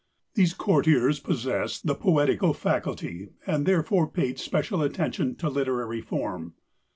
These courtiers possessed the poetical faculty, and therefore paid special attention to literary form.